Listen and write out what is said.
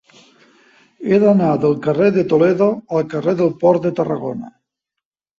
He d'anar del carrer de Toledo al carrer del Port de Tarragona.